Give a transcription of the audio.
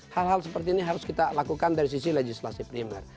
hal hal seperti ini harus kita lakukan dari sisi legislasi primer